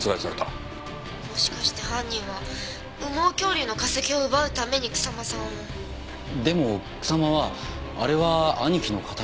「もしかして犯人は羽毛恐竜の化石を奪うために草間さんを」でも草間は「あれは兄貴の形見だ。